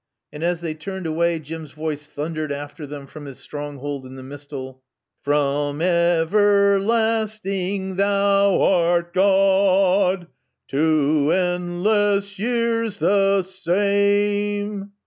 And as they turned away Jim's voice thundered after them from his stronghold in the mistal. "From av ver lasstin' THOU ART GAWD! To andless ye ears ther sa ame!"